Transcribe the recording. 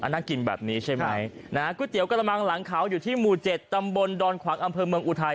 น่ากินแบบนี้ใช่ไหมนะฮะก๋วยเตี๋ยวกระมังหลังเขาอยู่ที่หมู่เจ็ดตำบลดอนขวางอำเภอเมืองอุทัย